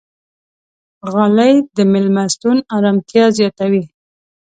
غالۍ د میلمستون ارامتیا زیاتوي.